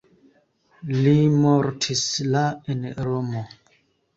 Li mortis la en Romo.